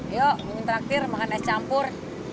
yuk mimpin traktir makan es campur